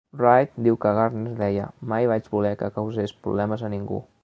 Wright diu que Gardner deia: Mai vaig voler que causés problemes a ningú.